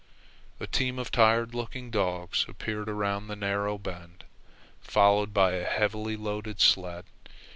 A team of tired looking dogs appeared around the narrow bend, followed by a heavily loaded sled.